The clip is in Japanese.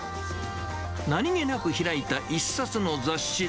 なにげなく開いた１冊の雑誌。